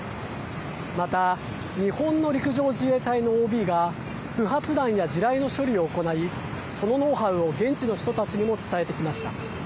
また、日本の陸上自衛隊のＯＢが不発弾や地雷の処理を行いそのノウハウを現地の人たちにも伝えてきました。